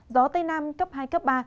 gió tây nam cấp hai cấp ba